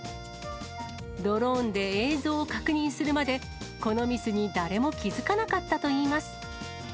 ドローンで映像を確認するまで、このミスに誰も気付かなかったといいます。